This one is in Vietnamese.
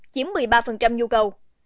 chiếm một mươi ba nhu cầu